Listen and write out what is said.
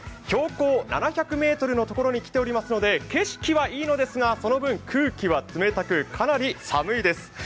標高７００ｍのところに来ていますので景色はいいのですが、その分、空気は冷たくかなり寒いです。